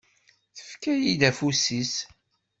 Tefka-yi-d afus-is.